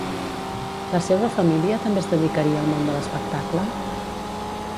La seva família també es dedicaria al món de l'espectacle?